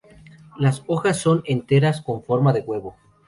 Las hojas son enteras con forma de huevo.